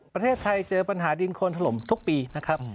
ประเทศไทยเจอปัญหาดินโคนถล่มทุกปีนะครับ